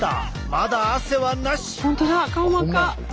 まだ汗はなし！